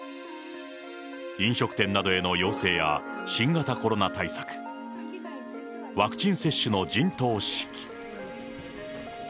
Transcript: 飲食店などへの要請や、新型コロナ対策、ワクチン接種の陣頭指揮。